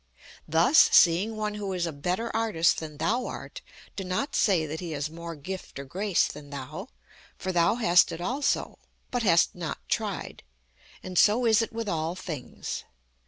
Thus, seeing one who is a better artist than thou art, do not say that he has more gift or grace than thou; for thou hast it also, but hast not tried, and so is it with all things.